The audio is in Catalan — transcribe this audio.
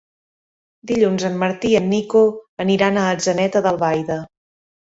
Dilluns en Martí i en Nico aniran a Atzeneta d'Albaida.